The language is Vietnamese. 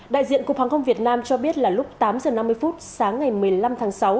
đại diện cục hàng không việt nam cho biết là lúc tám h năm mươi phút sáng ngày một mươi năm tháng sáu